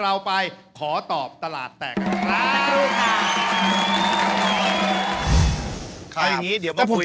เราไปขอตอบตลาดแตกกันครับ